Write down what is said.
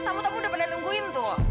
tamu tamu udah pernah nungguin tuh